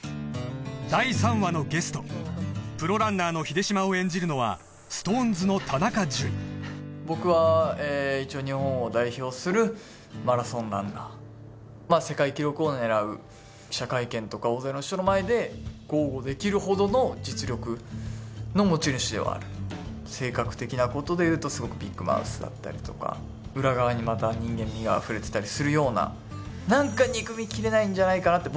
第３話のゲストプロランナーの秀島を演じるのは僕は一応日本を代表するマラソンランナー世界記録を狙う記者会見とか大勢の人の前で豪語できるほどの実力の持ち主ではある性格的なことで言うとすごくビッグマウスだったりとか裏側にまた人間味があふれてたりするような何か憎みきれないんじゃないかなって